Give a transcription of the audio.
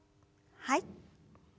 はい。